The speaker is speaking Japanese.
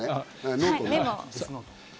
ノートね。